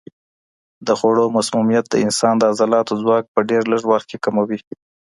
د خوړو مسمومیت د انسان د عضلاتو ځواک په ډېر لږ وخت کې کموي.